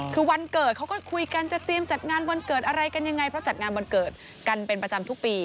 คือวันเกิดเขาก็คุยกันจะเตรียมจัดงานวันเกิดอะไรกันยังไงเพราะจัดงานวันเกิดกันเป็นประจำทุกปี